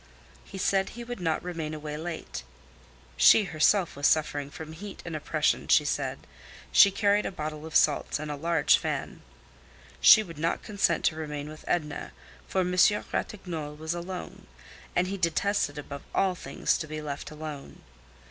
He said he would not remain away late. She herself was suffering from heat and oppression, she said. She carried a bottle of salts and a large fan. She would not consent to remain with Edna, for Monsieur Ratignolle was alone, and he detested above all things to be left alone.